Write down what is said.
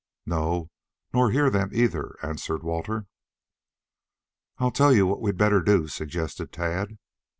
"No, nor hear them, either," answered Walter. "I'll tell you what we'd better do," suggested Tad.